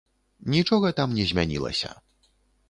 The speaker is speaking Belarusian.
Нічога там не змянілася.